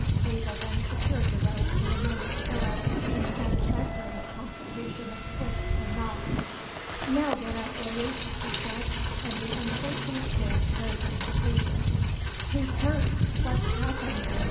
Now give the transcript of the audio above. Abel then secured the rope in a most thorough and satisfactory complication of twists and knots. "Naow get up, will ye?" he said; and the unfortunate Dick rose to his feet. "Who's hurt? What's happened?"